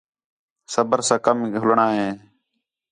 صُبر ساں کم گِھنݨاں ہِے